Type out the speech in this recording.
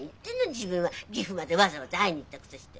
自分は岐阜までわざわざ会いに行ったくせして。